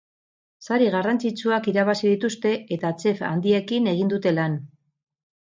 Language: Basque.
Sari garrantzitsuak irabazi dituzte eta chef handiekin egin dute lan.